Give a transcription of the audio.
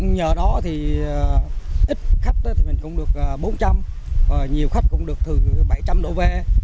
nhờ đó thì ít khách thì mình cũng được bốn trăm linh nhiều khách cũng được thường bảy trăm linh độ v